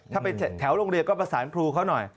ถ้าไปแถวโรงเรียนก็ประสานครูเขาหน่อย